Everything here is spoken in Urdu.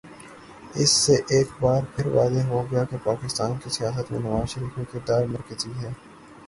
اس سے ایک بارپھر واضح ہو گیا کہ پاکستان کی سیاست میں نوازشریف کا کردار مرکزی ہے۔